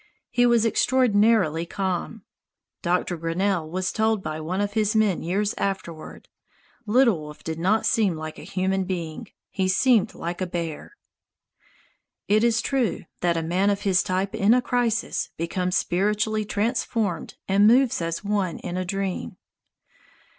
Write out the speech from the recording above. He was extraordinarily calm. Doctor Grinnell was told by one of his men years afterward: "Little Wolf did not seem like a human being. He seemed like a bear." It is true that a man of his type in a crisis becomes spiritually transformed and moves as one in a dream.